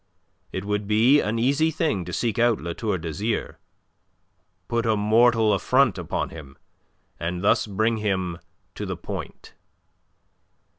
It would be an easy thing to seek out La Tour d'Azyr, put a mortal affront upon him, and thus bring him to the point.